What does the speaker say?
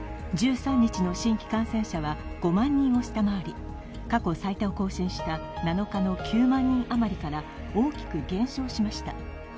１３日の新規感染者は５万人を下回り過去最多を更新した７日の９万人余りから大きく減少しました。